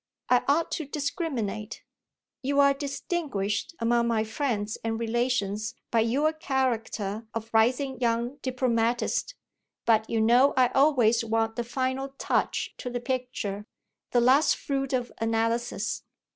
I ought to discriminate. You're distinguished among my friends and relations by your character of rising young diplomatist; but you know I always want the final touch to the picture, the last fruit of analysis.